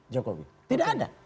jokowi tidak ada